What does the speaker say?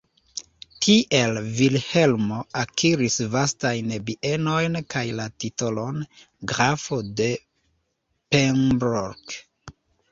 Tiel Vilhelmo akiris vastajn bienojn kaj la titolon "grafo de Pembroke".